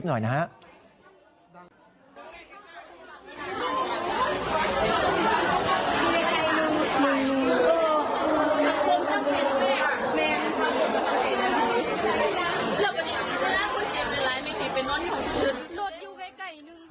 แล้ววันนี้น่ากล้องเจ็บนายไม่ควรไปรักงานอยู่ใกล้นึง